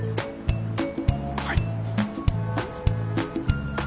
はい。